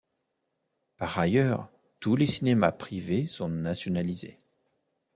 Par ailleurs tous les cinémas privés sont nationalisés.